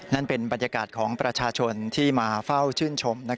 นั่นเป็นบรรยากาศของประชาชนที่มาเฝ้าชื่นชม